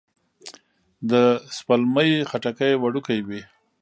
د سپلمۍ خټکی وړوکی وي